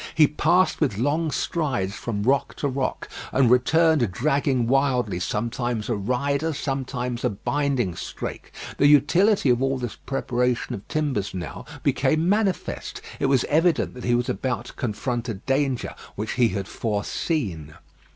He passed with long strides from rock to rock, and returned dragging wildly sometimes a rider, sometimes a binding strake. The utility of all this preparation of timbers now became manifest. It was evident that he was about to confront a danger which he had foreseen.